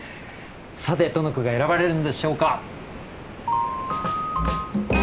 さてどの句が選ばれるのでしょうか。